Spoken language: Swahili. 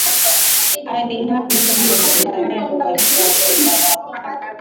ally hapi siyo mzalendo kabisa kwa taifa lake